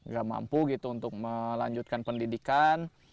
gak mampu gitu untuk melanjutkan pendidikan